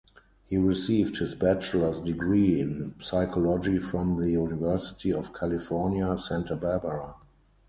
He received his bachelor's degree in psychology from the University of California, Santa Barbara.